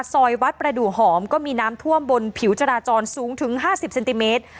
ซอยวัดประดูกหอมก็มีน้ำท่วมบนผิวจราจรสูงถึง๕๐เซนติเมตร